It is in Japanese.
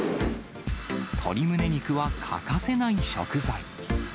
鶏むね肉は欠かせない食材。